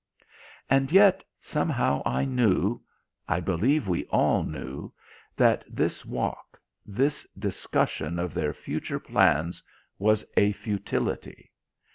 And yet somehow I knew I believe we all knew that this walk, this discussion of their future plans was a futility.